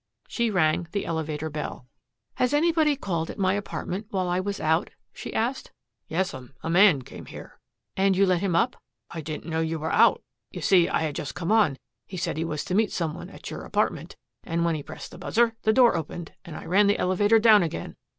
She rang the elevator bell. "Has anybody called at my apartment while I was out?" she asked. "Yes'm. A man came here." "And you let him up?" "I didn't know you were out. You see I had just come on. He said he was to meet some one at your apartment. And when he pressed the buzzer, the door opened, and I ran the elevator down again.